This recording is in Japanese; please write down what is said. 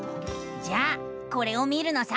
じゃあこれを見るのさ！